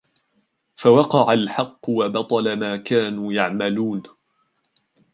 فوقع الحق وبطل ما كانوا يعملون